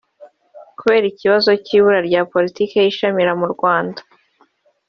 Kubera iki kibazo cy’ibura rya politiki y’imishara mu Rwanda